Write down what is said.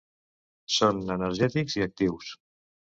Són energètics i actius.